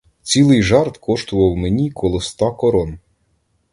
Цілий жарт коштував мені коло ста корон.